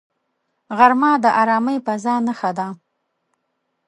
غرمه د آرامې فضاء نښه ده